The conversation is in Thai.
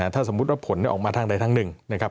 ถ้าสมมุติว่าผลออกมาทางใดทางหนึ่งนะครับ